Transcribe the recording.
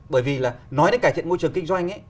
bởi vì nói đến cải thiện môi trường kinh doanh